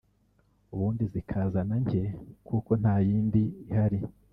ubundi zikazana nke kuko nta yindi ihari